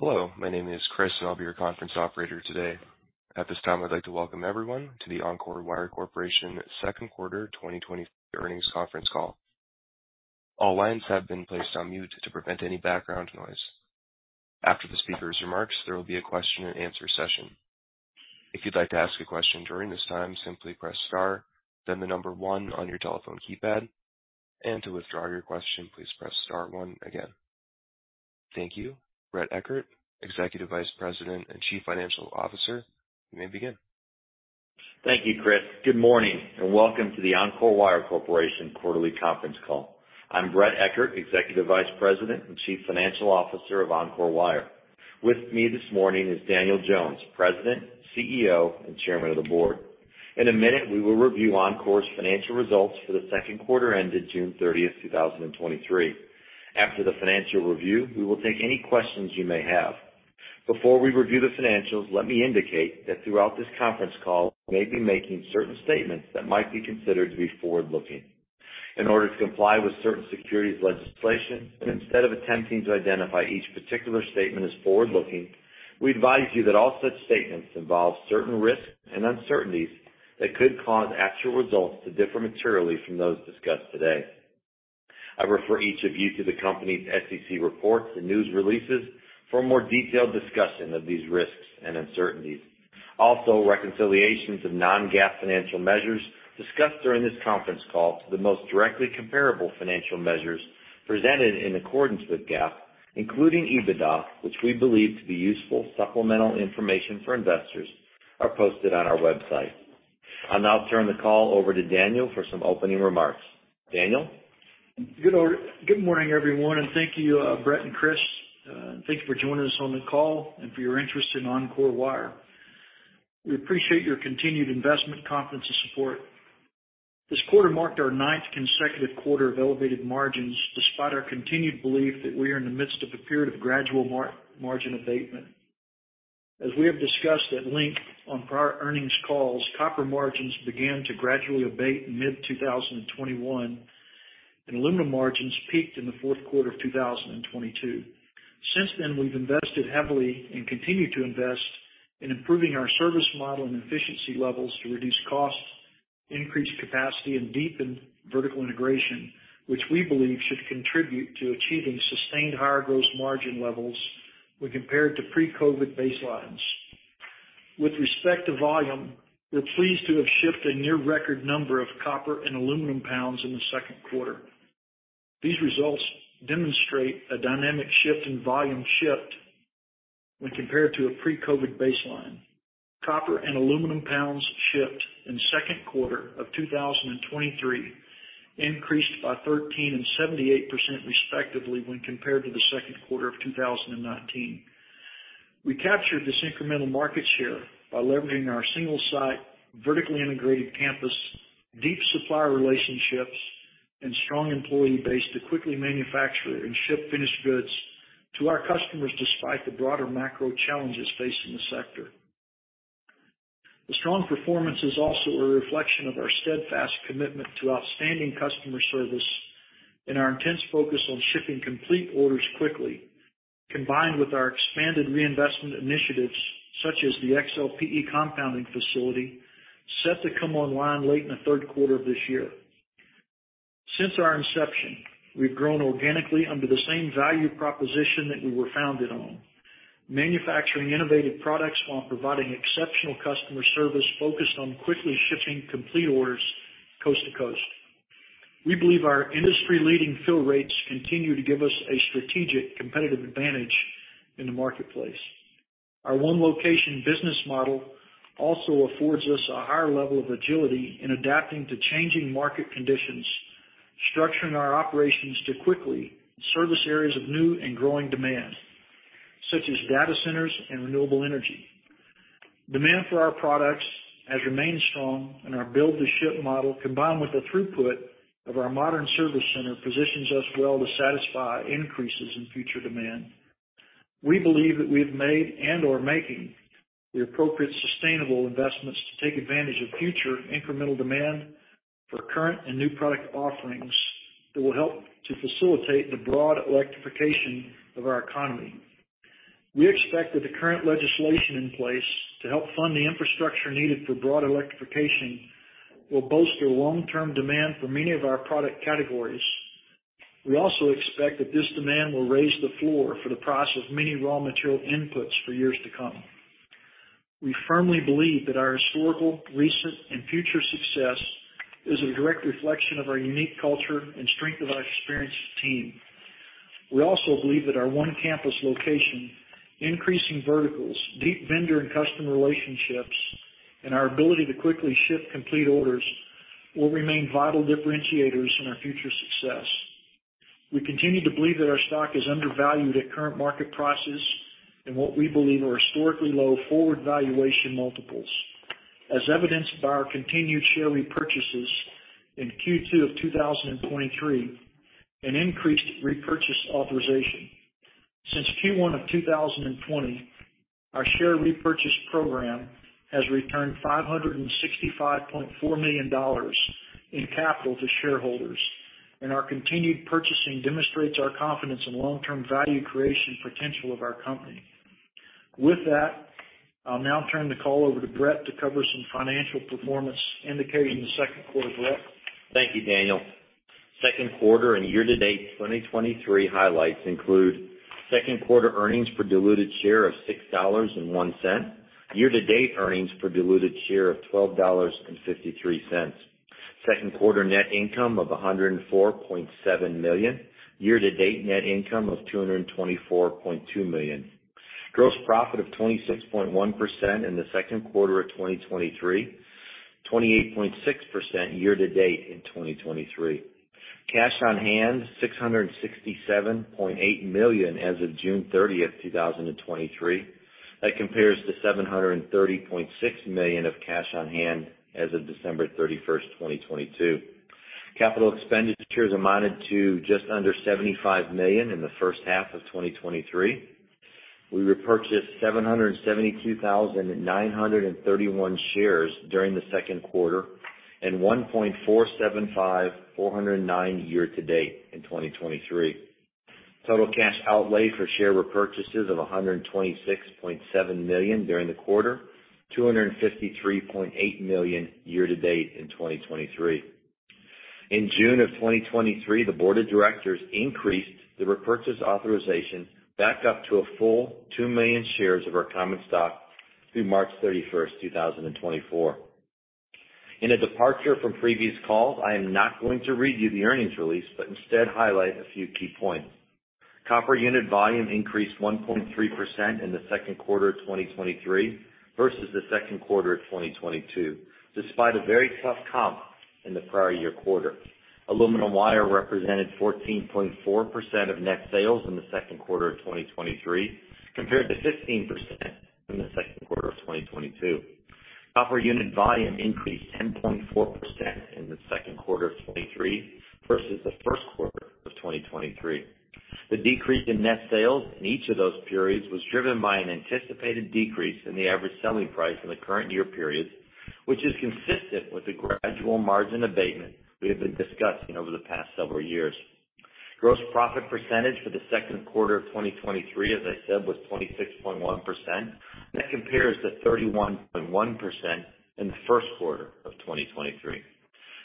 Hello, my name is Chris, and I'll be your conference operator today. At this time, I'd like to welcome everyone to the Encore Wire Corporation Second Quarter 2023 Earnings Conference Call. All lines have been placed on mute to prevent any background noise. After the speaker's remarks, there will be a question-and-answer session. If you'd like to ask a question during this time, simply press star, then one on your telephone keypad, and to withdraw your question, please press star one again. Thank you. Bret Eckert, Executive Vice President and Chief Financial Officer, you may begin. Thank you, Chris. Good morning, and welcome to the Encore Wire Corporation quarterly conference call. I'm Bret Eckert, Executive Vice President and Chief Financial Officer of Encore Wire. With me this morning is Daniel Jones, President, CEO, and Chairman of the Board. In a minute, we will review Encore's financial results for the second quarter ended June 30th, 2023. After the financial review, we will take any questions you may have. Before we review the financials, let me indicate that throughout this conference call, we may be making certain statements that might be considered to be forward-looking. In order to comply with certain securities legislation, and instead of attempting to identify each particular statement as forward-looking, we advise you that all such statements involve certain risks and uncertainties that could cause actual results to differ materially from those discussed today. I refer each of you to the company's SEC reports and news releases for a more detailed discussion of these risks and uncertainties. Also, reconciliations of non-GAAP financial measures discussed during this conference call to the most directly comparable financial measures presented in accordance with GAAP, including EBITDA, which we believe to be useful supplemental information for investors, are posted on our website. I'll now turn the call over to Daniel for some opening remarks. Daniel? Good morning, everyone, and thank you, Bret and Chris. Thank you for joining us on the call and for your interest in Encore Wire. We appreciate your continued investment, confidence, and support. This quarter marked our ninth consecutive quarter of elevated margins, despite our continued belief that we are in the midst of a period of gradual margin abatement. As we have discussed at length on prior earnings calls, copper margins began to gradually abate in mid-2021, and aluminum margins peaked in the fourth quarter of 2022. Since then, we've invested heavily, and continue to invest, in improving our service model and efficiency levels to reduce costs, increase capacity, and deepen vertical integration, which we believe should contribute to achieving sustained higher gross margin levels when compared to pre-COVID baselines. With respect to volume, we're pleased to have shipped a near-record number of copper and aluminum pounds in the second quarter. These results demonstrate a dynamic shift in volume shipped when compared to a pre-COVID baseline. Copper and aluminum pounds shipped in the second quarter of 2023 increased by 13% and 78%, respectively, when compared to the second quarter of 2019. We captured this incremental market share by leveraging our single-site, vertically integrated campus, deep supplier relationships, and strong employee base to quickly manufacture and ship finished goods to our customers, despite the broader macro challenges facing the sector. The strong performance is also a reflection of our steadfast commitment to outstanding customer service and our intense focus on shipping complete orders quickly, combined with our expanded reinvestment initiatives, such as the XLPE compounding facility, set to come online late in the third quarter of this year. Since our inception, we've grown organically under the same value proposition that we were founded on, manufacturing innovative products while providing exceptional customer service focused on quickly shipping complete orders coast to coast. We believe our industry-leading fill rates continue to give us a strategic competitive advantage in the marketplace. Our one-location business model also affords us a higher level of agility in adapting to changing market conditions, structuring our operations to quickly service areas of new and growing demand, such as data centers and renewable energy. Demand for our products has remained strong, and our build-to-ship model, combined with the throughput of our modern service center, positions us well to satisfy increases in future demand. We believe that we have made and/or making the appropriate, sustainable investments to take advantage of future incremental demand for current and new product offerings that will help to facilitate the broad electrification of our economy. We expect that the current legislation in place to help fund the infrastructure needed for broad electrification will bolster long-term demand for many of our product categories. We also expect that this demand will raise the floor for the price of many raw material inputs for years to come. We firmly believe that our historical, recent, and future success is a direct reflection of our unique culture and strength of our experienced team. We also believe that our one-campus location, increasing verticals, deep vendor and customer relationships, and our ability to quickly ship complete orders will remain vital differentiators in our future success. We continue to believe that our stock is undervalued at current market prices and what we believe are historically low forward valuation multiples, as evidenced by our continued share repurchases in Q2 of 2023, and increased repurchase authorization. Since Q1 of 2020, our share repurchase program has returned $565.4 million in capital to shareholders.... and our continued purchasing demonstrates our confidence in long-term value creation potential of our company. With that, I'll now turn the call over to Bret to cover some financial performance indicated in the second quarter. Bret? Thank you, Daniel. Second quarter and year-to-date 2023 highlights include second quarter earnings per diluted share of $6.01. Year-to-date earnings per diluted share of $12.53. Second quarter net income of $104.7 million. Year-to-date net income of $224.2 million. Gross profit of 26.1% in the second quarter of 2023, 28.6% year-to-date in 2023. Cash on hand, $667.8 million as of June 30th, 2023. That compares to $730.6 million of cash on hand as of December 31st, 2022. Capital expenditures amounted to just under $75 million in the first half of 2023. We repurchased 772,931 shares during the second quarter, and 1,475,409 year to date in 2023. Total cash outlay for share repurchases of $126.7 million during the quarter, $253.8 million year to date in 2023. In June of 2023, the board of directors increased the repurchase authorization back up to a full 2 million shares of our common stock through March 31st, 2024. In a departure from previous calls, I am not going to read you the earnings release, but instead highlight a few key points. Copper unit volume increased 1.3% in the second quarter of 2023 versus the second quarter of 2022, despite a very tough comp in the prior year quarter. Aluminum wire represented 14.4% of net sales in the second quarter of 2023, compared to 15% in the second quarter of 2022. Copper unit volume increased 10.4% in the second quarter of 2023 versus the first quarter of 2023. The decrease in net sales in each of those periods was driven by an anticipated decrease in the average selling price in the current year periods, which is consistent with the gradual margin abatement we have been discussing over the past several years. Gross profit percentage for the second quarter of 2023, as I said, was 26.1%. That compares to 31.1% in the first quarter of 2023.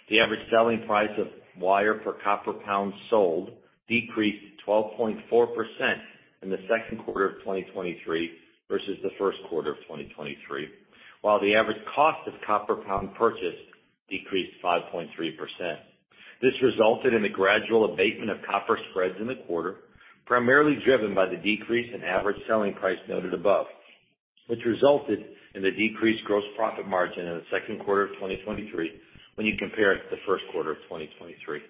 The average selling price of wire per copper pound sold decreased 12.4% in the second quarter of 2023 versus the first quarter of 2023, while the average cost of copper pound purchased decreased 5.3%. This resulted in the gradual abatement of copper spreads in the quarter, primarily driven by the decrease in average selling price noted above, which resulted in the decreased gross profit margin in the second quarter of 2023 when you compare it to the first quarter of 2023.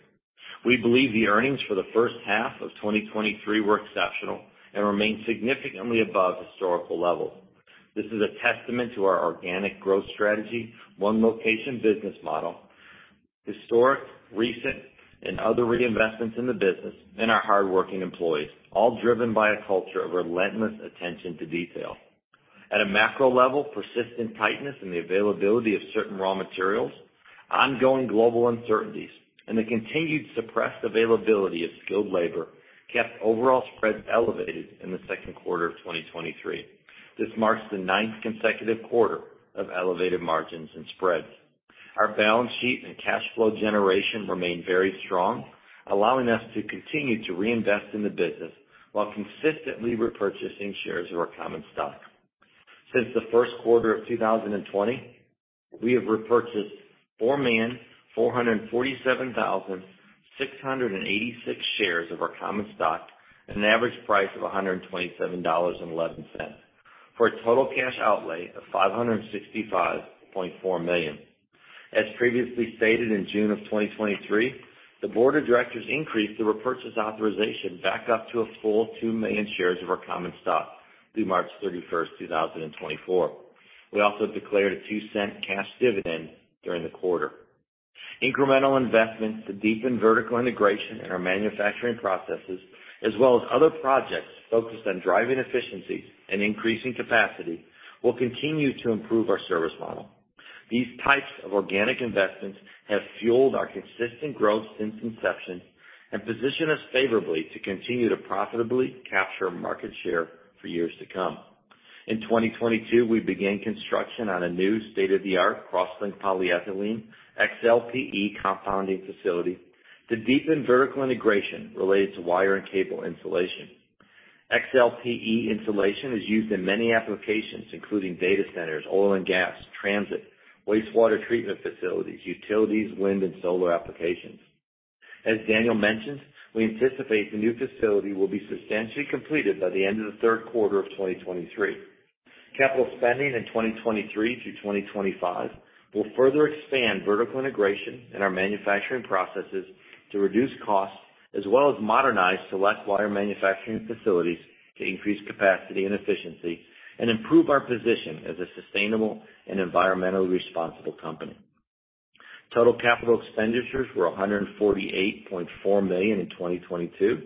We believe the earnings for the first half of 2023 were exceptional and remain significantly above historical levels. This is a testament to our organic growth strategy, one location business model, historic, recent, and other reinvestments in the business, and our hardworking employees, all driven by a culture of relentless attention to detail. At a macro level, persistent tightness in the availability of certain raw materials, ongoing global uncertainties, and the continued suppressed availability of skilled labor kept overall spreads elevated in the second quarter of 2023. This marks the ninth consecutive quarter of elevated margins and spreads. Our balance sheet and cash flow generation remain very strong, allowing us to continue to reinvest in the business while consistently repurchasing shares of our common stock. Since the first quarter of 2020, we have repurchased 4,447,686 shares of our common stock at an average price of $127.11, for a total cash outlay of $565.4 million. As previously stated, in June 2023, the board of directors increased the repurchase authorization back up to a full two million shares of our common stock through March 31st, 2024. We also declared a $0.02 cash dividend during the quarter. Incremental investments to deepen vertical integration in our manufacturing processes, as well as other projects focused on driving efficiencies and increasing capacity, will continue to improve our service model. These types of organic investments have fueled our consistent growth since inception and position us favorably to continue to profitably capture market share for years to come. In 2022, we began construction on a new state-of-the-art cross-link polyethylene XLPE compounding facility to deepen vertical integration related to wire and cable insulation. XLPE insulation is used in many applications, including data centers, oil and gas, transit, wastewater treatment facilities, utilities, wind and solar applications. As Daniel mentioned, we anticipate the new facility will be substantially completed by the end of the third quarter of 2023. Capital spending in 2023 through 2025 will further expand vertical integration in our manufacturing processes to reduce costs, as well as modernize select wire manufacturing facilities to increase capacity and efficiency and improve our position as a sustainable and environmentally responsible company. Total capital expenditures were $148.4 million in 2022,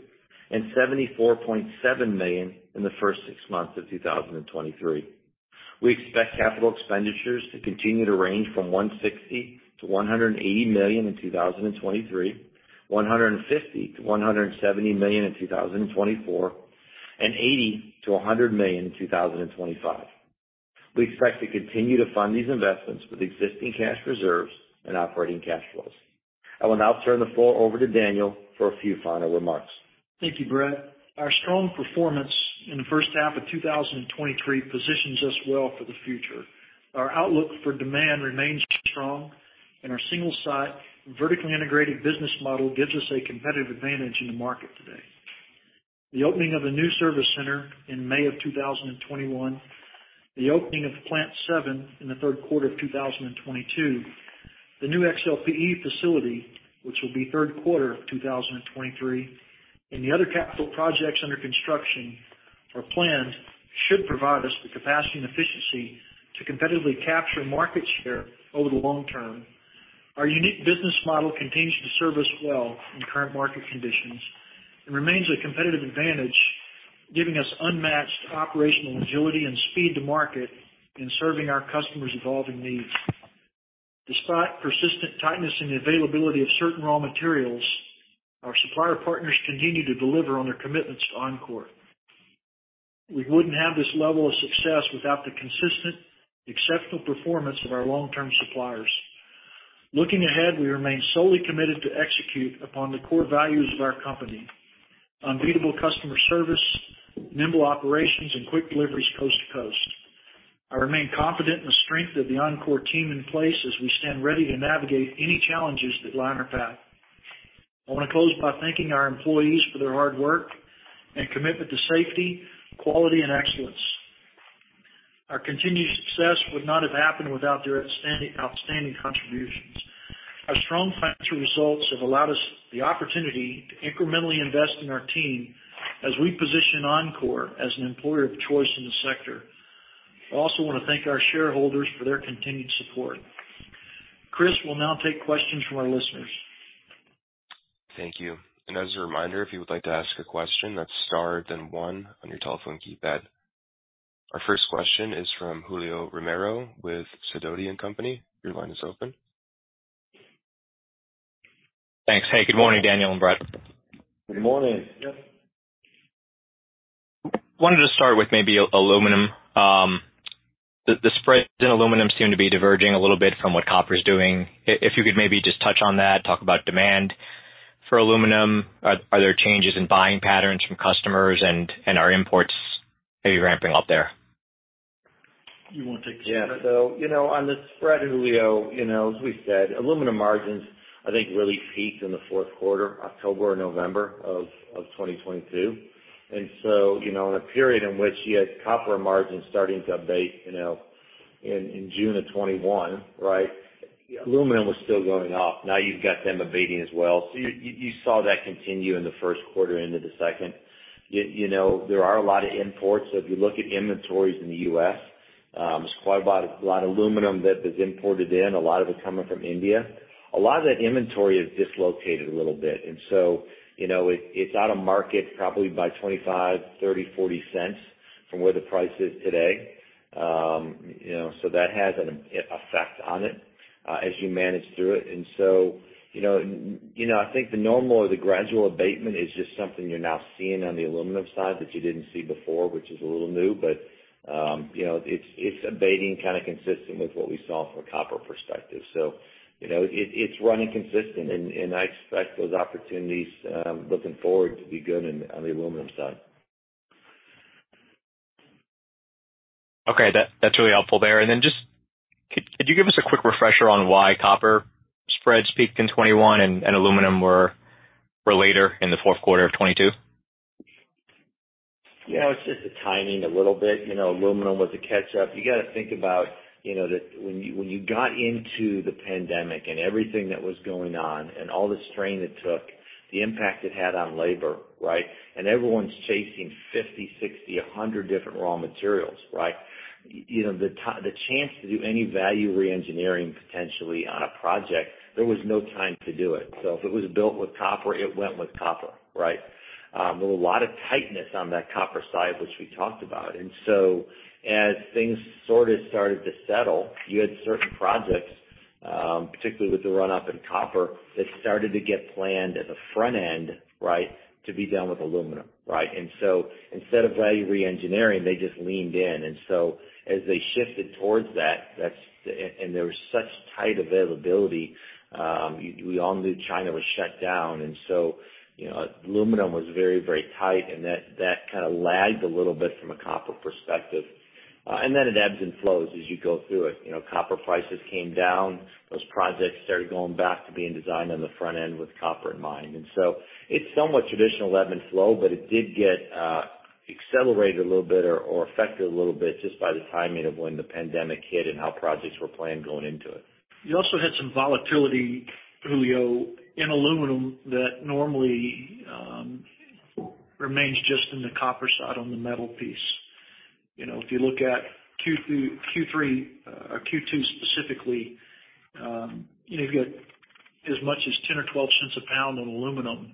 and $74.7 million in the first six months of 2023. We expect capital expenditures to continue to range from $160 million-$180 million in 2023, $150 million-$170 million in 2024, and $80 million-$100 million in 2025. We expect to continue to fund these investments with existing cash reserves and operating cash flows. I will now turn the floor over to Daniel for a few final remarks. Thank you, Bret. Our strong performance in the first half of 2023 positions us well for the future. Our outlook for demand remains strong, and our single site, vertically integrated business model, gives us a competitive advantage in the market today. The opening of the new service center in May of 2021, the opening of Plant 7 in the third quarter of 2022, the new XLPE facility, which will be third quarter of 2023, and the other capital projects under construction or planned, should provide us the capacity and efficiency to competitively capture market share over the long term. Our unique business model continues to serve us well in current market conditions and remains a competitive advantage, giving us unmatched operational agility and speed to market in serving our customers' evolving needs. Despite persistent tightness in the availability of certain raw materials, our supplier partners continue to deliver on their commitments to Encore. We wouldn't have this level of success without the consistent, exceptional performance of our long-term suppliers. Looking ahead, we remain solely committed to execute upon the core values of our company: unbeatable customer service, nimble operations, and quick deliveries coast to coast. I remain confident in the strength of the Encore team in place as we stand ready to navigate any challenges that lie in our path. I want to close by thanking our employees for their hard work and commitment to safety, quality, and excellence. Our continued success would not have happened without their outstanding contributions. Our strong financial results have allowed us the opportunity to incrementally invest in our team as we position Encore as an employer of choice in the sector. I also want to thank our shareholders for their continued support. Chris will now take questions from our listeners. Thank you. As a reminder, if you would like to ask a question, that's star, then one on your telephone keypad. Our first question is from Julio Romero with Sidoti & Company. Your line is open. Thanks. Hey, good morning, Daniel and Bret. Good morning. Yep. Wanted to start with maybe aluminum. The spreads in aluminum seem to be diverging a little bit from what copper's doing. If you could maybe just touch on that, talk about demand for aluminum. Are there changes in buying patterns from customers, and are imports maybe ramping up there? You want to take this, Bret? You know, on the spread, Julio, you know, as we said, aluminum margins, I think, really peaked in the fourth quarter, October or November of 2022. You know, in a period in which you had copper margins starting to abate, you know, in June of 2021, right? Aluminum was still going off. Now you've got them abating as well. You saw that continue in the first quarter into the second. You know, there are a lot of imports. If you look at inventories in the U.S., there's quite a lot, a lot of aluminum that is imported in, a lot of it coming from India. A lot of that inventory is dislocated a little bit. You know, it's out of market probably by $0.25, $0.30, $0.40 from where the price is today. You know, that has an effect on it as you manage through it. You know, you know, I think the normal or the gradual abatement is just something you're now seeing on the aluminum side that you didn't see before, which is a little new, but, you know, it's abating, kind of, consistent with what we saw from a copper perspective. You know, it's running consistent, and I expect those opportunities looking forward to be good on the aluminum side. Okay, that's really helpful there. Then just, could you give us a quick refresher on why copper spreads peaked in 2021 and aluminum were later in the fourth quarter of 2022? Yeah, it's just the timing a little bit. You know, aluminum was a catch up. You got to think about, you know, that when you, when you got into the pandemic and everything that was going on and all the strain it took, the impact it had on labor, right? Everyone's chasing 50, 60, 100 different raw materials, right? You know, the chance to do any value reengineering potentially on a project, there was no time to do it. If it was built with copper, it went with copper, right? There was a lot of tightness on that copper side, which we talked about. As things sort of started to settle, you had certain projects, particularly with the run-up in copper, that started to get planned at the front end, right, to be done with aluminum, right? Instead of value reengineering, they just leaned in. As they shifted towards that, there was such tight availability, we all knew China was shut down, you know, aluminum was very, very tight, and that kind of lagged a little bit from a copper perspective. Then it ebbs and flows as you go through it. You know, copper prices came down. Those projects started going back to being designed on the front end with copper in mind. It's somewhat traditional ebb and flow, but it did get accelerated a little bit or affected a little bit just by the timing of when the pandemic hit and how projects were planned going into it. You also had some volatility, Julio, in aluminum that normally remains just in the copper side, on the metal piece. You know, if you look at Q3 or Q2 specifically, you've got as much as $0.10-$0.12 a pound on aluminum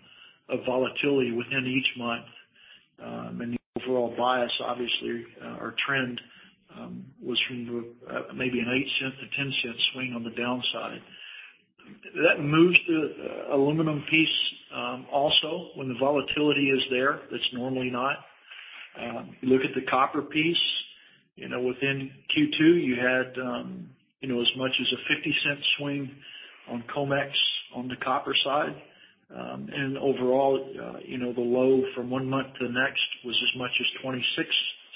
of volatility within each month. The overall bias, obviously, or trend, was from the maybe a $0.08-$0.10 swing on the downside. That moves the aluminum piece, also, when the volatility is there, it's normally not. You look at the copper piece, you know, within Q2, you had, you know, as much as a $0.50 swing on COMEX, on the copper side. Overall, you know, the low from one month to the next was as much as $0.26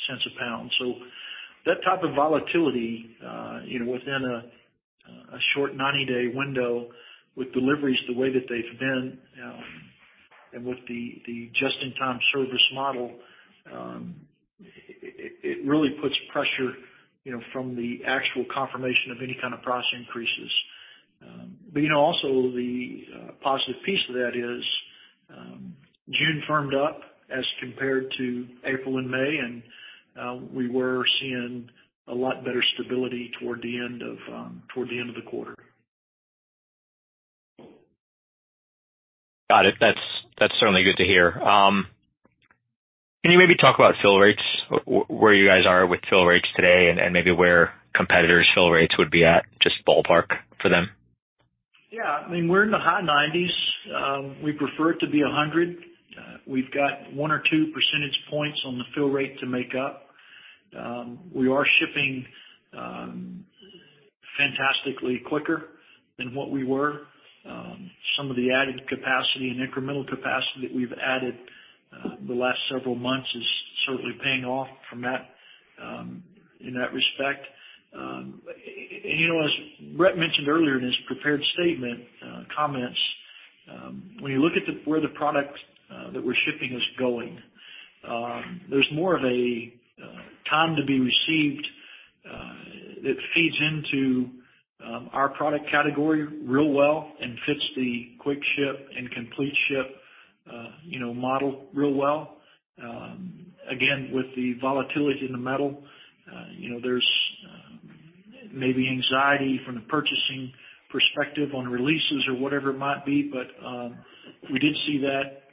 a pound. That type of volatility, you know, within a short 90-day window with deliveries, the way that they've been, and with the just-in-time service model, it really puts pressure, you know, from the actual confirmation of any kind of price increases. You know, also, the positive piece of that is June firmed up as compared to April and May, and we were seeing a lot better stability toward the end of the quarter. Got it. That's certainly good to hear. Can you maybe talk about fill rates, where you guys are with fill rates today and maybe where competitors' fill rates would be at, just ballpark for them? Yeah. I mean, we're in the high nineties. We prefer it to be 100. We've got 1 or 2 percentage points on the fill rate to make up. We are shipping fantastically quicker than what we were. Some of the added capacity and incremental capacity that we've added the last several months is certainly paying off from that in that respect. You know, as Bret mentioned earlier in his prepared statement comments, when you look at the where the product that we're shipping is going, there's more of a time to be received that feeds into our product category real well and fits the quick ship and complete ship, you know, model real well. Again, with the volatility in the metal, you know, there's maybe anxiety from the purchasing perspective on releases or whatever it might be, but we did see that,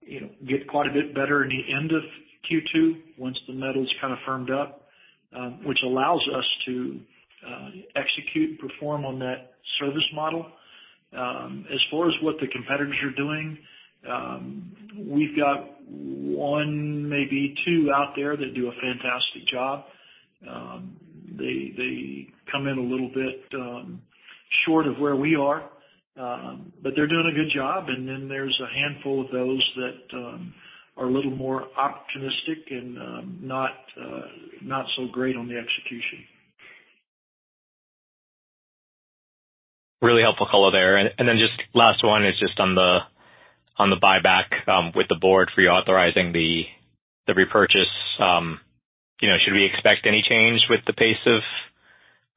you know, get quite a bit better in the end of Q2, once the metals kind of firmed up, which allows us to execute and perform on that service model. As far as what the competitors are doing, we've got one, maybe two out there that do a fantastic job. They, they come in a little bit short of where we are, but they're doing a good job. There's a handful of those that are a little more optimistic and not so great on the execution. Really helpful color there. Just last one is just on the buyback, with the board reauthorizing the repurchase. You know, should we expect any change with the pace of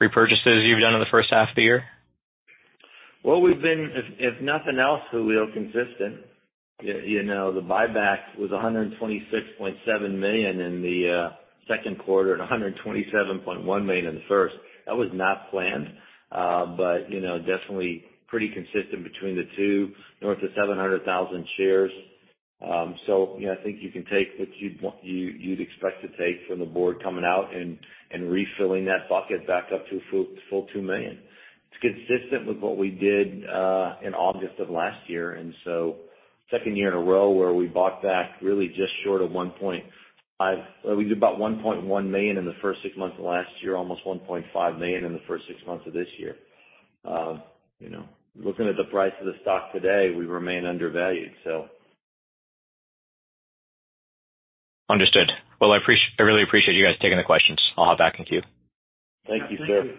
repurchases you've done in the first half of the year? Well, we've been, if nothing else, we are consistent. You know, the buyback was $126.7 million in the second quarter, and $127.1 million in the first. That was not planned, but, you know, definitely pretty consistent between the two, north of 700,000 shares. You know, I think you can take what you'd want, you'd expect to take from the board coming out and refilling that bucket back up to a full $2 million. It's consistent with what we did in August of last year, second year in a row, where we bought back about $1.1 million in the first six months of last year, almost $1.5 million in the first six months of this year. You know, looking at the price of the stock today, we remain undervalued, so. Understood. Well, I really appreciate you guys taking the questions. I'll hop back in queue. Thank you, sir.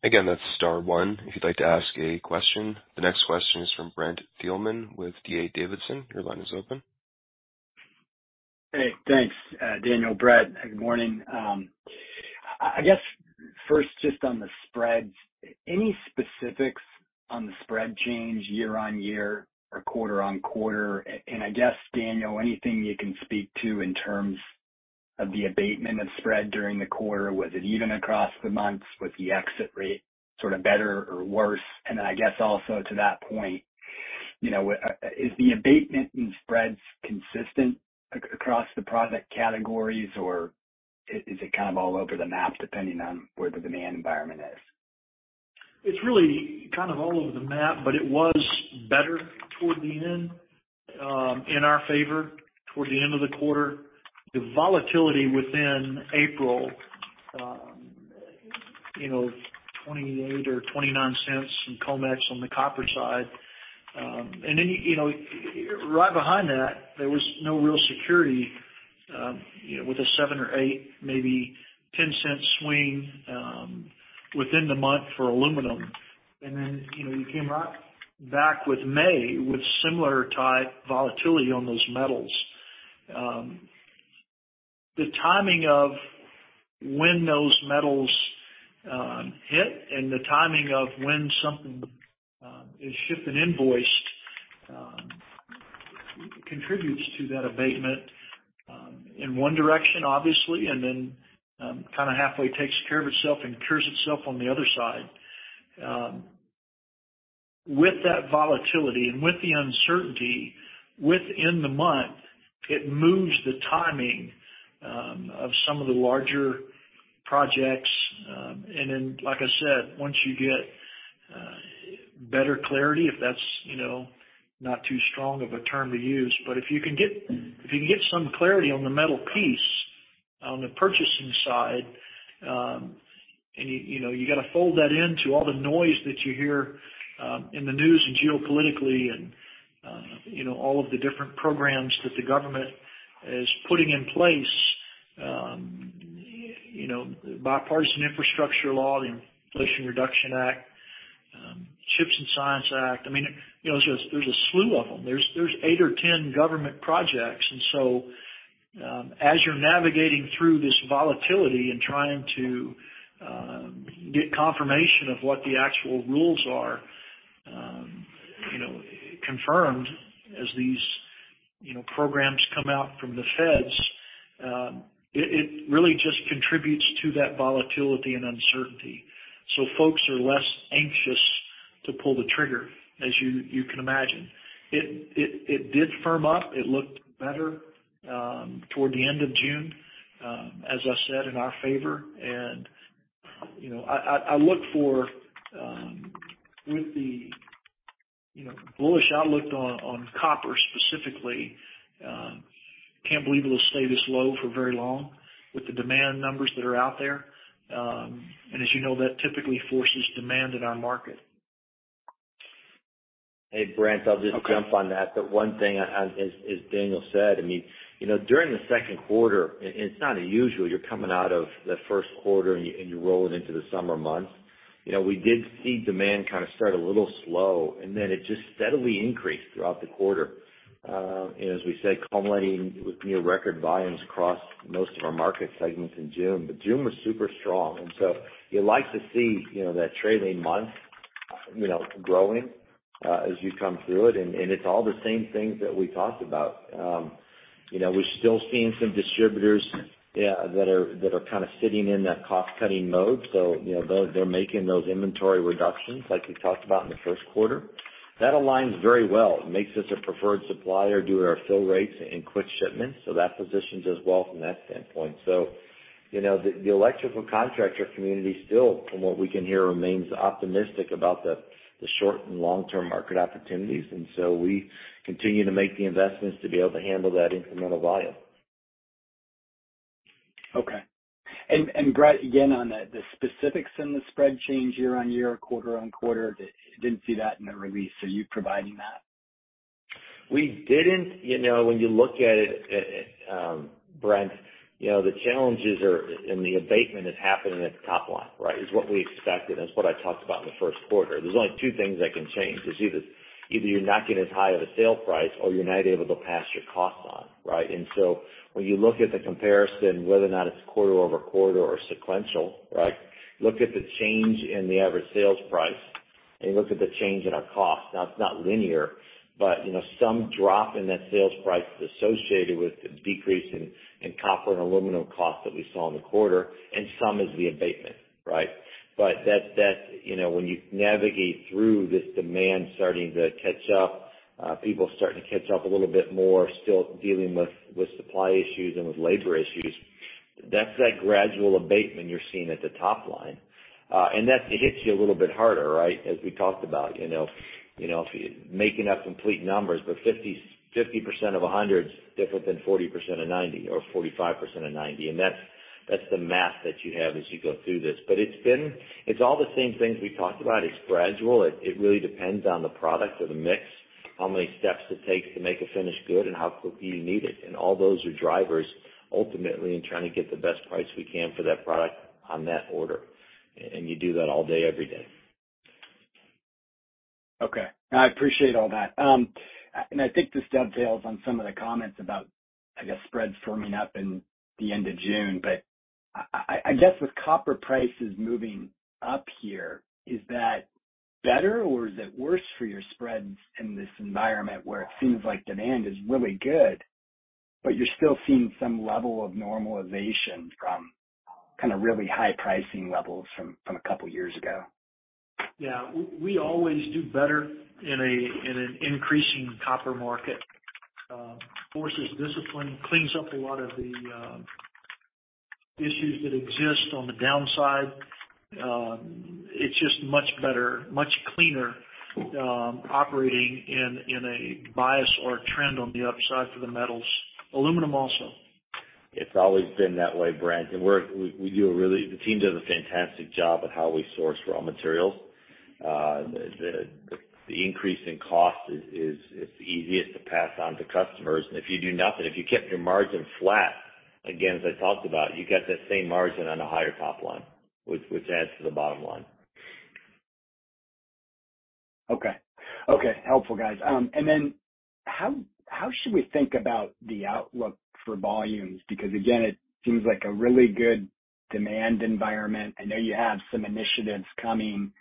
Thank you. That's star one, if you'd like to ask a question. The next question is from Brent Thielman, with D.A. Davidson. Your line is open. Hey, thanks, Daniel, Bret, good morning. I guess first, just on the spreads, any specifics on the spread change year-over-year or quarter-over-quarter? I guess, Daniel, anything you can speak to in terms of the abatement of spread during the quarter? Was it even across the months? Was the exit rate sort of better or worse? I guess also to that point, you know, is the abatement in spreads consistent across the product categories, or is it kind of all over the map, depending on where the demand environment is? It's really kind of all over the map, but it was better toward the end, in our favor, towards the end of the quarter. The volatility within April, you know, $0.28 or $0.29 from COMEX on the copper side. Then, you know, right behind that, there was no real security, you know, with a $0.07 or $0.08, maybe $0.10 swing, within the month for aluminum. Then, you know, you came right back with May, with similar type volatility on those metals. The timing of when those metals hit and the timing of when something is shipped and invoiced contributes to that abatement, in one direction, obviously, and then, kind of halfway takes care of itself and cures itself on the other side. With that volatility and with the uncertainty, within the month, it moves the timing of some of the larger projects. Like I said, once you get better clarity, if that's, you know, not too strong of a term to use, but if you can get some clarity on the metal piece, on the purchasing side, you know, you got to fold that into all the noise that you hear in the news and geopolitically, you know, all of the different programs that the government is putting in place. You know, Bipartisan Infrastructure Law, the Inflation Reduction Act, CHIPS and Science Act. You know, there's a slew of them. There's eight or 10 government projects. As you're navigating through this volatility and trying to get confirmation of what the actual rules are, you know, confirmed as these, you know, programs come out from the Feds, it really just contributes to that volatility and uncertainty. Folks are less anxious to pull the trigger, as you can imagine. It did firm up. It looked better toward the end of June, as I said, in our favor. You know, I look for with the, you know, bullish outlook on copper specifically, can't believe it'll stay this low for very long with the demand numbers that are out there. As you know, that typically forces demand in our market. Hey, Brent, I'll. Okay. jump on that. One thing I, as Daniel said, during the second quarter, and it's not unusual, you're coming out of the first quarter, and you're rolling into the summer months. You know, we did see demand kind of start a little slow, and then it just steadily increased throughout the quarter. As we said, culminating with near record volumes across most of our market segments in June. June was super strong. You like to see, you know, that trailing month, you know, growing as you come through it, and it's all the same things that we talked about. You know, we're still seeing some distributors that are kind of sitting in that cost-cutting mode. You know, they're making those inventory reductions like we talked about in the first quarter. That aligns very well. It makes us a preferred supplier due to our fill rates and quick shipments, so that positions us well from that standpoint. You know, the electrical contractor community still, from what we can hear, remains optimistic about the short- and long-term market opportunities, and so we continue to make the investments to be able to handle that incremental volume. Okay. Brad, again, on the specifics in the spread change year-over-year, quarter-over-quarter, didn't see that in the release. Are you providing that? We didn't. You know, when you look at it, Brent, you know, the challenges are, and the abatement is happening at the top line, right? It's what we expected, and it's what I talked about in the first quarter. There's only two things that can change. It's either you're not getting as high of a sale price, or you're not able to pass your costs on, right? When you look at the comparison, whether or not it's quarter-over-quarter or sequential, right? Look at the change in the average sales price, and you look at the change in our costs. Now, it's not linear, but, you know, some drop in that sales price is associated with the decrease in copper and aluminum costs that we saw in the quarter, and some is the abatement, right? That's, you know, when you navigate through this demand starting to catch up, people starting to catch up a little bit more, still dealing with supply issues and with labor issues, that's that gradual abatement you're seeing at the top line. That, it hits you a little bit harder, right, as we talked about. You know, if you're making up complete numbers, but 50% of 100 is different than 40% of 90 or 45% of 90. That's the math that you have as you go through this. It's all the same things we talked about. It's gradual. It really depends on the product or the mix, how many steps it takes to make a finish good, and how quickly you need it. And all those are drivers, ultimately, in trying to get the best price we can for that product on that order. You do that all day, every day. Okay. I appreciate all that. I think this dovetails on some of the comments about, I guess, spreads firming up in the end of June, but I guess with copper prices moving up here, is that better or is it worse for your spreads in this environment where it seems like demand is really good, but you're still seeing some level of normalization from kind of really high pricing levels from a couple of years ago? Yeah. We always do better in an increasing copper market. Forces discipline, cleans up a lot of the issues that exist on the downside. It's just much better, much cleaner, operating in a bias or a trend on the upside for the metals. Aluminum also. It's always been that way, Brent. The team does a fantastic job at how we source raw materials. The increase in cost is it's easiest to pass on to customers. If you do nothing, if you kept your margin flat, again, as I talked about, you get that same margin on a higher top line, which adds to the bottom line. Okay. Okay, helpful, guys. How should we think about the outlook for volumes? Because, again, it seems like a really good demand environment. I know you have some initiatives coming.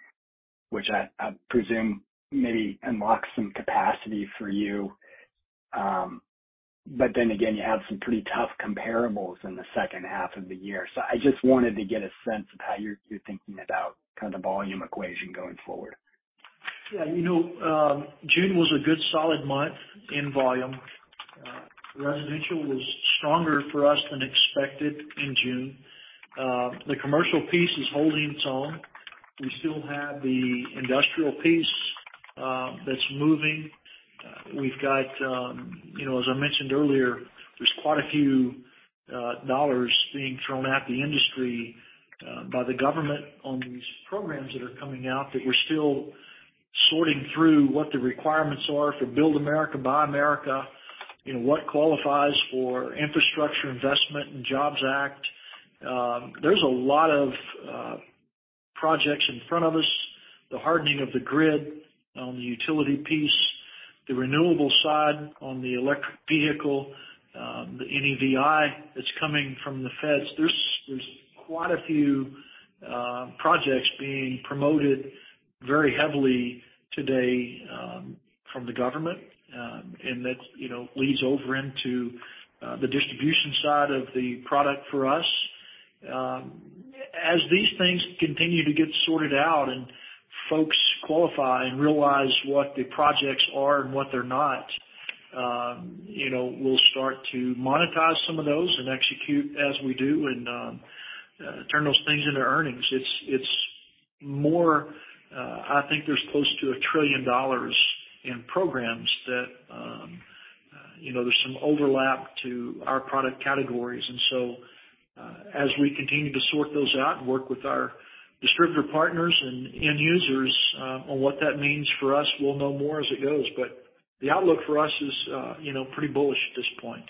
Which I presume maybe unlocks some capacity for you. Again, you have some pretty tough comparables in the second half of the year. I just wanted to get a sense of how you're thinking about kind of volume equation going forward. You know, June was a good solid month in volume. Residential was stronger for us than expected in June. The commercial piece is holding its own. We still have the industrial piece that's moving. We've got, you know, as I mentioned earlier, there's quite a few dollars being thrown at the industry by the government on these programs that are coming out, that we're still sorting through what the requirements are for Build America, Buy America. You know, what qualifies for Infrastructure Investment and Jobs Act? There's a lot of projects in front of us, the hardening of the grid on the utility piece, the renewable side on the electric vehicle, the NEVI that's coming from the feds. There's quite a few projects being promoted very heavily today from the government. That, you know, leads over into the distribution side of the product for us. As these things continue to get sorted out and folks qualify and realize what the projects are and what they're not, you know, we'll start to monetize some of those and execute as we do and turn those things into earnings. It's more. I think there's close to $1 trillion in programs that, you know, there's some overlap to our product categories. As we continue to sort those out and work with our distributor partners and end users, on what that means for us, we'll know more as it goes. The outlook for us is, you know, pretty bullish at this point.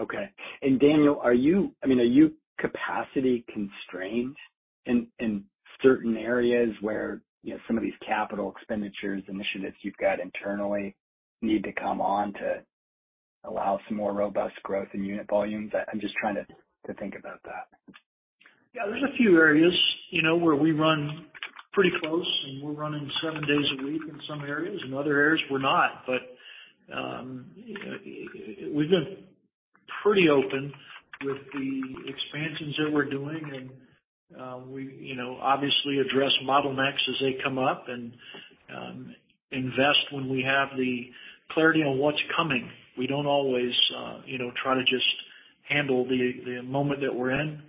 Okay. Daniel, I mean, are you capacity constrained in certain areas where, you know, some of these capital expenditures initiatives you've got internally need to come on to allow some more robust growth in unit volumes? I'm just trying to think about that. Yeah, there's a few areas, you know, where we run pretty close, and we're running seven days a week in some areas, and other areas we're not. We've been pretty open with the expansions that we're doing, and we, you know, obviously address bottlenecks as they come up and invest when we have the clarity on what's coming. We don't always, you know, try to just handle the moment that we're in.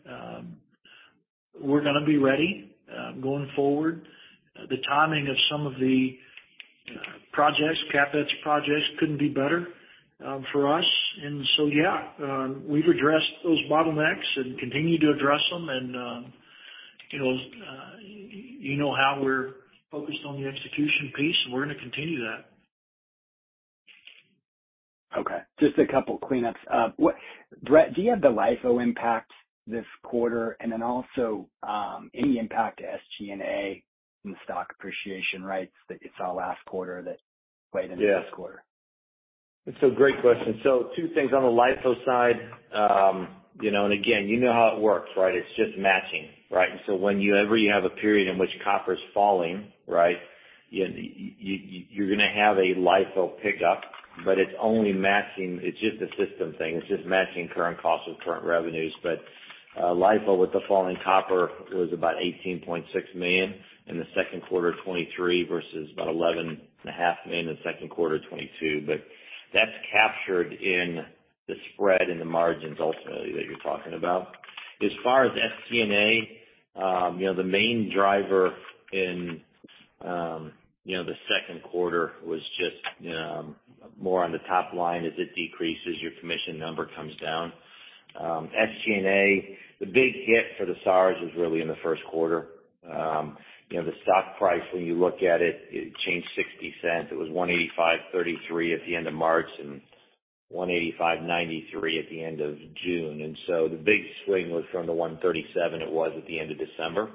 We're gonna be ready going forward. The timing of some of the projects, CapEx projects, couldn't be better for us. Yeah, we've addressed those bottlenecks and continue to address them. You know, you know how we're focused on the execution piece, and we're going to continue that. Okay, just a couple cleanups. Bret, do you have the LIFO impact this quarter? Also, any impact to SG&A in the stock appreciation rights that you saw last quarter that played into this quarter? Yeah. Great question. Two things on the LIFO side, you know, and again, you know how it works, right? It's just matching, right? Whenever you have a period in which copper is falling, right, you're going to have a LIFO pickup, but it's only matching. It's just a system thing. It's just matching current cost with current revenues. LIFO, with the falling copper, was about $18.6 million in the second quarter of 2023 versus about $11.5 million in the second quarter of 2022. That's captured in the spread in the margins ultimately, that you're talking about. As far as SG&A, you know, the main driver in, you know, the second quarter was just more on the top line. As it decreases, your commission number comes down. SG&A, the big hit for the SARs was really in the first quarter. you know, the stock price, when you look at it changed $0.60. It was $185.33 at the end of March and $185.93 at the end of June. The big swing was from the $137 it was at the end of December.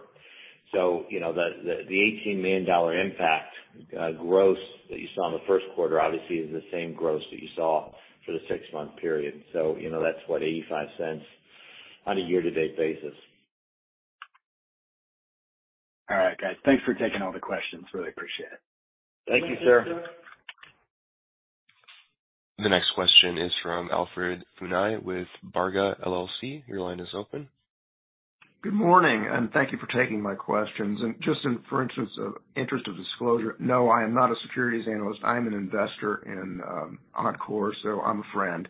you know, the $18 million impact, gross that you saw in the first quarter obviously is the same gross that you saw for the six-month period. you know, that's, what, $0.85 on a year-to-date basis. All right, guys. Thanks for taking all the questions. Really appreciate it. Thank you, sir. The next question is from Alfred Funai with Barga, LLC. Your line is open. Good morning. Thank you for taking my questions. Just in interest of disclosure, no, I am not a securities analyst. I am an investor in Encore, so I'm a friend.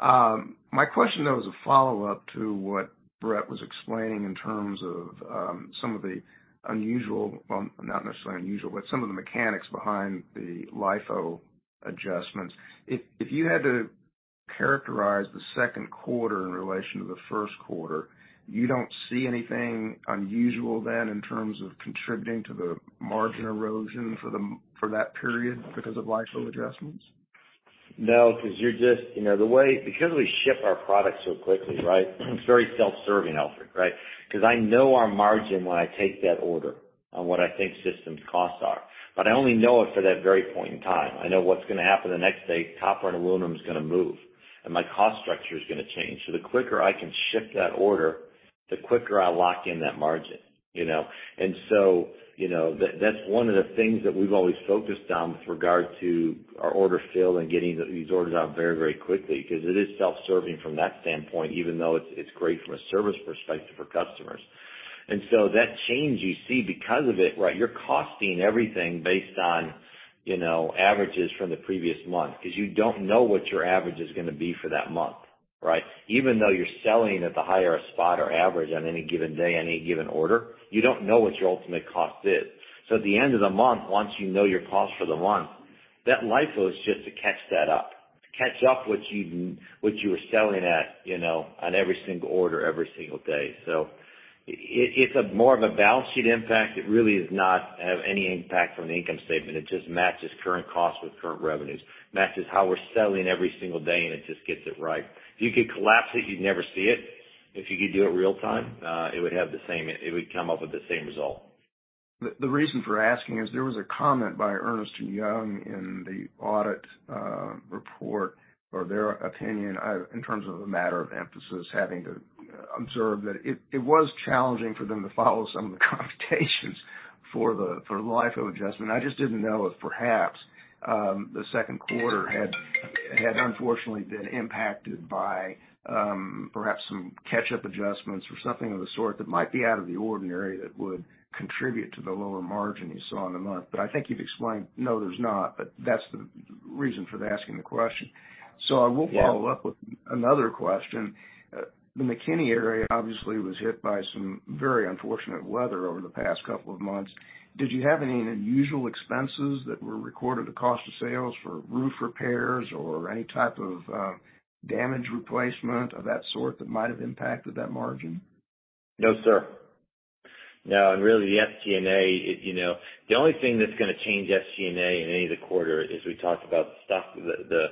My question, though, is a follow-up to what Bret was explaining in terms of some of the unusual, well, not necessarily unusual, but some of the mechanics behind the LIFO adjustments. If you had to characterize the second quarter in relation to the first quarter, you don't see anything unusual then in terms of contributing to the margin erosion for that period because of LIFO adjustments? Because you're just, you know, because we ship our products so quickly, right? It's very self-serving, Alfred, right? Because I know our margin when I take that order and what I think systems costs are, but I only know it for that very point in time. I know what's going to happen the next day, copper and aluminum is going to move... and my cost structure is going to change. The quicker I can ship that order, the quicker I lock in that margin, you know? You know, that's one of the things that we've always focused on with regard to our order fill and getting these orders out very, very quickly, because it is self-serving from that standpoint, even though it's great from a service perspective for customers. That change you see because of it, right? You're costing everything based on, you know, averages from the previous month, because you don't know what your average is going to be for that month, right? Even though you're selling at the higher spot or average on any given day, any given order, you don't know what your ultimate cost is. At the end of the month, once you know your cost for the month, that LIFO is just to catch that up, to catch up what you were selling at, you know, on every single order, every single day. It's a more of a balance sheet impact. It really does not have any impact on the income statement. It just matches current costs with current revenues, matches how we're selling every single day, and it just gets it right. If you could collapse it, you'd never see it. If you could do it real time, it would come up with the same result. The reason for asking is there was a comment by Ernst & Young in the audit report, or their opinion, in terms of a matter of emphasis, having to observe that it was challenging for them to follow some of the computations for the LIFO adjustment. I just didn't know if perhaps the second quarter had unfortunately been impacted by perhaps some catch-up adjustments or something of the sort that might be out of the ordinary that would contribute to the lower margin you saw in the month. I think you've explained, no, there's not, but that's the reason for asking the question. I will. Yeah. follow up with another question. The McKinney area obviously was hit by some very unfortunate weather over the past couple of months. Did you have any unusual expenses that were recorded, the cost of sales for roof repairs or any type of, damage replacement of that sort that might have impacted that margin? No, sir. No. Really, the SG&A, you know, the only thing that's gonna change SG&A in any of the quarter is we talked about the stock. The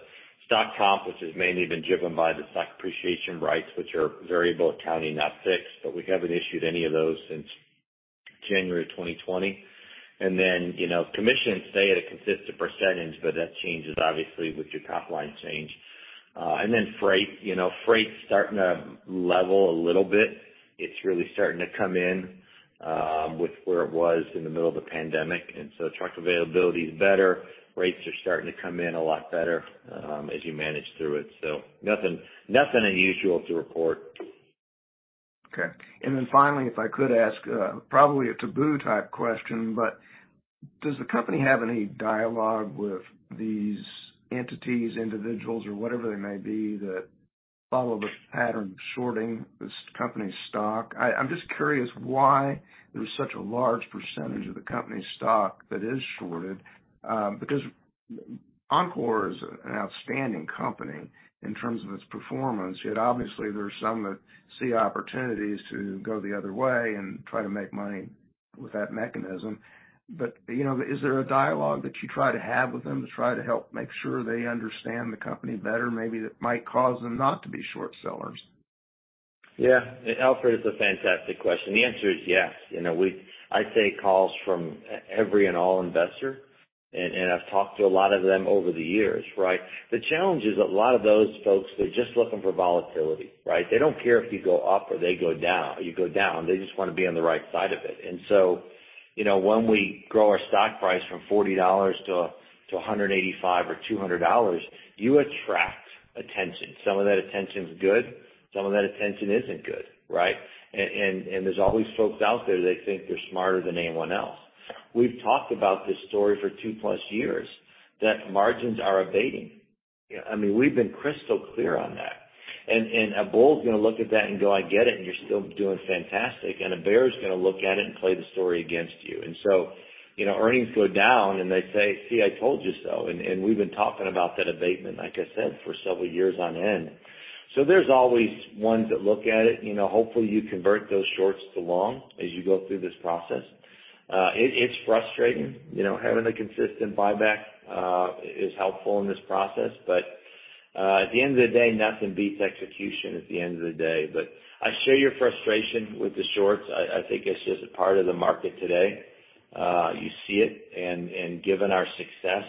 stock comp, which has mainly been driven by the stock appreciation rights, which are variable accounting, not fixed, but we haven't issued any of those since January of 2020. You know, commissions stay at a consistent %, but that changes obviously with your top-line change. Freight. You know, freight's starting to level a little bit. It's really starting to come in with where it was in the middle of the pandemic, and so truck availability is better. Rates are starting to come in a lot better as you manage through it. Nothing unusual to report. Okay. Finally, if I could ask, probably a taboo type question, does the company have any dialogue with these entities, individuals, or whatever they may be, that follow the pattern of shorting this company's stock? I'm just curious why there's such a large percentage of the company's stock that is shorted. Because Encore is an outstanding company in terms of its performance, yet obviously there are some that see opportunities to go the other way and try to make money with that mechanism. You know, is there a dialogue that you try to have with them to try to help make sure they understand the company better, maybe that might cause them not to be short sellers? Yeah, Alfred, it's a fantastic question. The answer is yes. You know, I take calls from every and all investor, and I've talked to a lot of them over the years, right? The challenge is a lot of those folks, they're just looking for volatility, right? They don't care if you go up or they go down, you go down. They just want to be on the right side of it. You know, when we grow our stock price from $40-$185 or $200, you attract attention. Some of that attention is good, some of that attention isn't good, right? There's always folks out there that think they're smarter than anyone else. We've talked about this story for two-plus years, that margins are abating. I mean, we've been crystal clear on that. A bull is going to look at that and go, "I get it, and you're still doing fantastic." A bear is going to look at it and play the story against you. You know, earnings go down, and they say, "See, I told you so." We've been talking about that abatement, like I said, for several years on end. There's always ones that look at it. You know, hopefully, you convert those shorts to long as you go through this process. It's frustrating. You know, having a consistent buyback is helpful in this process, but at the end of the day, nothing beats execution at the end of the day. I share your frustration with the shorts. I think it's just a part of the market today. You see it, and given our success,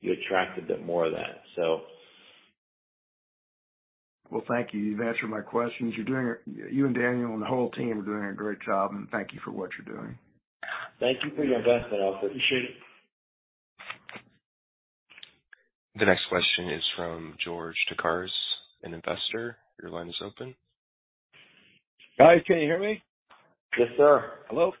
you attract a bit more of that, so. Well, thank you. You've answered my questions. You and Daniel and the whole team are doing a great job, and thank you for what you're doing. Thank you for your investment, Alfred. Appreciate it. The next question is from George Tokarz, an investor. Your line is open. Guys, can you hear me? Yes, sir. Hello?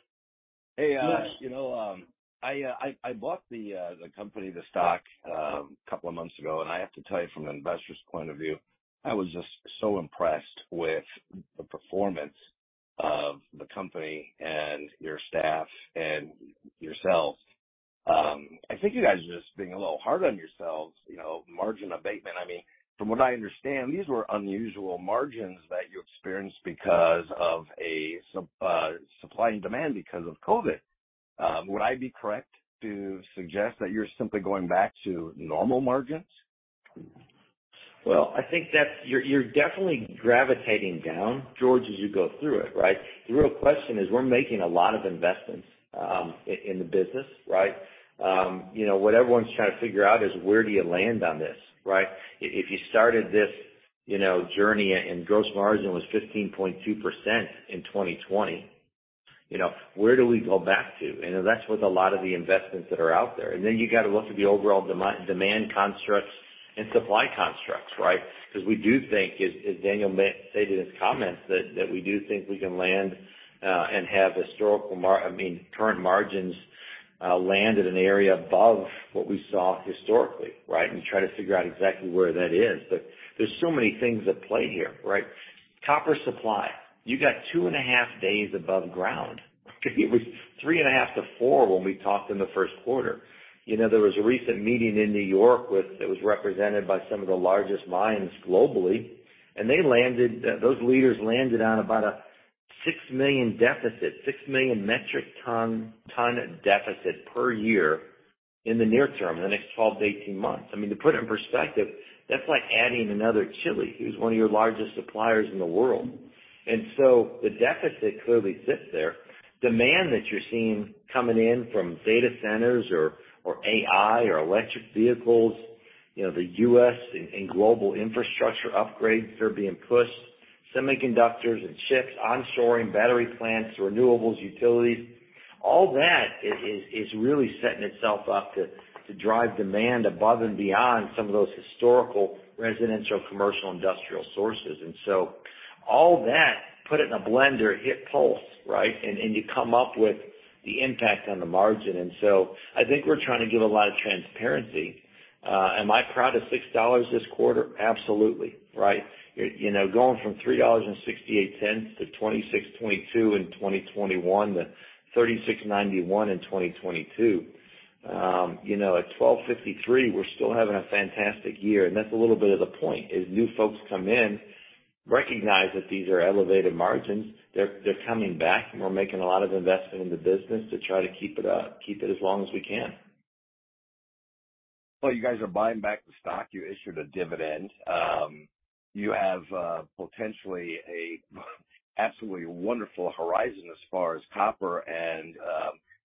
Hey. Yes. You know, I bought the company, the stock, a couple of months ago, and I have to tell you, from an investor's point of view, I was just so impressed with the performance of the company and your staff and yourselves. I think you guys are just being a little hard on yourselves, you know, margin abatement. I mean, from what I understand, these were unusual margins that you experienced because of a supply and demand because of COVID. Would I be correct to suggest that you're simply going back to normal margins? Well, I think you're definitely gravitating down, George, as you go through it, right? The real question is, we're making a lot of investments in the business, right? You know, what everyone's trying to figure out is, where do you land on this, right? If you started this you know, journey and gross margin was 15.2% in 2020. You know, where do we go back to? That's with a lot of the investments that are out there. You got to look at the overall demand constructs and supply constructs, right? We do think, as Daniel may say to his comments, that we do think we can land and have historical I mean, current margins land at an area above what we saw historically, right? Try to figure out exactly where that is. There's so many things at play here, right? Copper supply, you got 2.5 days above ground. It was 3.5-4 when we talked in the first quarter. You know, there was a recent meeting in New York that was represented by some of the largest mines globally, and those leaders landed on about a 6 million metric ton deficit per year in the near term, the next 12-18 months. I mean, to put it in perspective, that's like adding another Chile, who's one of your largest suppliers in the world. The deficit clearly sits there. Demand that you're seeing coming in from data centers or AI, or electric vehicles, you know, the U.S. and global infrastructure upgrades are being pushed, semiconductors and CHIPS, onshoring battery plants, renewables, utilities. All that is really setting itself up to drive demand above and beyond some of those historical residential, commercial, industrial sources. All that, put it in a blender, hit pulse, right? You come up with the impact on the margin. I think we're trying to give a lot of transparency. Am I proud of $6 this quarter? Absolutely, right. You know, going from $3.68-$26.22 in 2021, to $36.91 in 2022. You know, at $12.53, we're still having a fantastic year, and that's a little bit of the point, is new folks come in, recognize that these are elevated margins. They're coming back, and we're making a lot of investment in the business to try to keep it up, keep it as long as we can. Well, you guys are buying back the stock. You issued a dividend. You have potentially a absolutely wonderful horizon as far as copper, and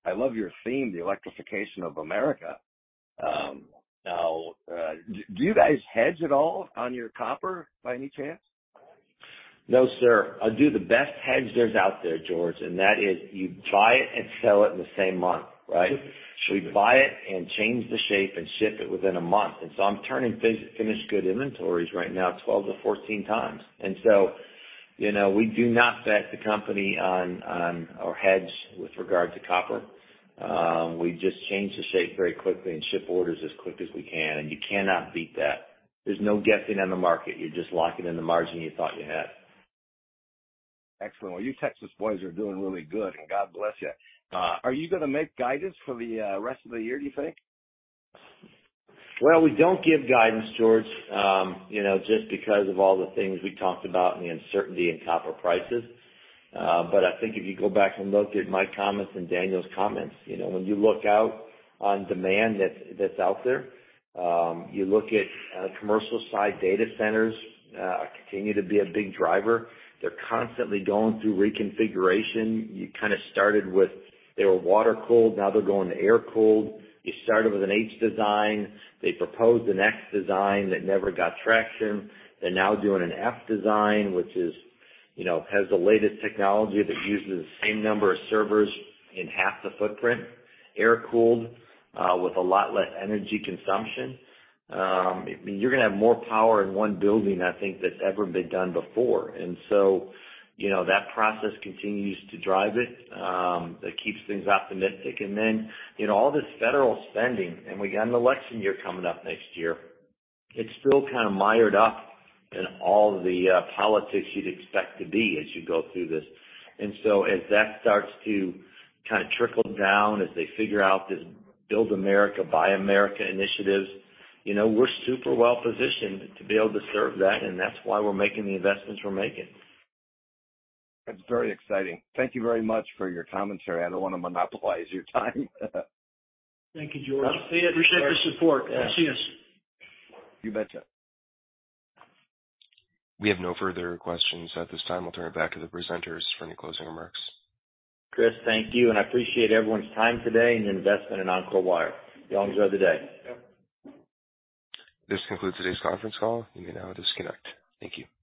I love your theme, the electrification of America. Now, do you guys hedge at all on your copper by any chance? No, sir. I do the best hedge there's out there, George, and that is you buy it and sell it in the same month, right? We buy it and change the shape and ship it within a month. I'm turning finished good inventories right now, 12 to 14 times. You know, we do not bet the company on our hedge with regard to copper. We just change the shape very quickly and ship orders as quick as we can, and you cannot beat that. There's no guessing in the market. You're just locking in the margin you thought you had. Excellent. Well, you Texas boys are doing really good, God bless you. Are you gonna make guidance for the rest of the year, do you think? We don't give guidance, George, you know, just because of all the things we talked about and the uncertainty in copper prices. I think if you go back and look at my comments and Daniel's comments, you know, when you look out on demand that's out there, you look at commercial side data centers continue to be a big driver. They're constantly going through reconfiguration. You kind of started with they were water-cooled, now they're going to air-cooled. You started with an H design, they proposed an X design that never got traction. They're now doing an F design, which is, you know, has the latest technology that uses the same number of servers in half the footprint, air-cooled, with a lot less energy consumption. You're gonna have more power in one building, I think, that's ever been done before. You know, that process continues to drive it. That keeps things optimistic. You know, all this federal spending, and we got an election year coming up next year, it's still kind of mired up in all the politics you'd expect to be as you go through this. As that starts to kind of trickle down, as they figure out this Build America, Buy America initiatives, you know, we're super well positioned to be able to serve that, and that's why we're making the investments we're making. That's very exciting. Thank you very much for your commentary. I don't want to monopolize your time. Thank you, George. Appreciate the support. I'll see you soon. You betcha. We have no further questions at this time. We'll turn it back to the presenters for any closing remarks. Chris, thank you. I appreciate everyone's time today and your investment in Encore Wire. You all enjoy the day. Yep. This concludes today's conference call. You may now disconnect. Thank you.